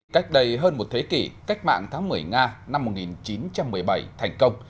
cách đây hơn một thế kỷ cách mạng tháng một mươi nga năm một nghìn chín trăm một mươi bảy thành công